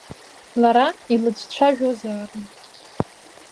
Лара илыҿцәажәозаарын.